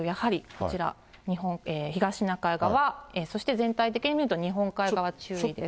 こちら、東シナ海側、そして全体的に見ると、日本海側注意です。